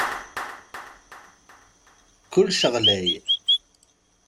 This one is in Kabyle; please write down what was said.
Kullec ɣlay.